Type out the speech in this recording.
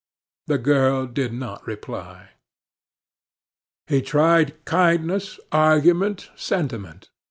The girl did not reply. He tried kindness, argument, sentiment.